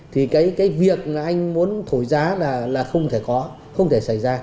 thì cái việc là anh muốn thổi giá là không thể có không thể xảy ra